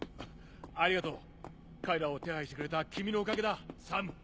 ありがとう彼らを手配してくれた君のおかげだサム。